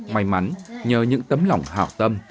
may mắn nhờ những tấm lòng hào tâm